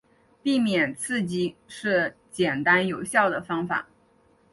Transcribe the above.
避免刺激是简单有效的方法。